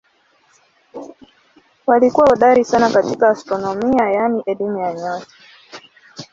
Walikuwa hodari sana katika astronomia yaani elimu ya nyota.